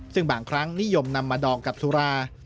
ซึ่งบางครั้งนิยมนำมาดองกับสุรา